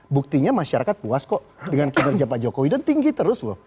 buktinya masyarakat puas kok dengan kinerja pak jokowi dan tinggi terus loh